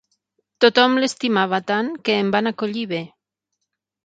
Tothom l'estimava tant que em van acollir bé.